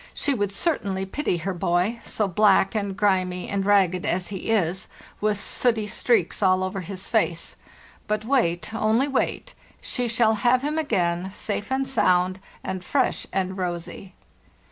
She would certainly pity her boy, so black and grimy and ragged as he is, with sooty streaks all over his face. But wait, only wait! She shall have him again, safe and sound and fresh and rosy.